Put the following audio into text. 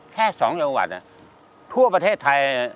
แค่สองจังหวัดเพื่อประเทศไทย